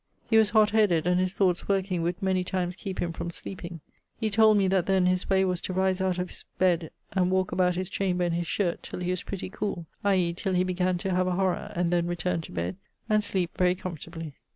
He was hott headed, and his thoughts working would many times keepe him from sleepinge; he told me that then his way was to rise out of his bed and walke about his chamber in his shirt till he was pretty coole, i.e. till he began to have a horror, and then returne to bed, and sleepe very comfortably.